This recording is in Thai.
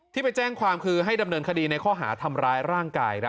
ไปแจ้งความคือให้ดำเนินคดีในข้อหาทำร้ายร่างกาย